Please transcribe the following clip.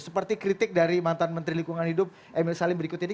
seperti kritik dari mantan menteri lingkungan hidup emil salim berikut ini